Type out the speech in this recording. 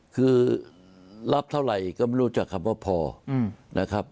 คือรับเท่าไหร่ก็ไม่รู้จักคำว่าพอนะครับ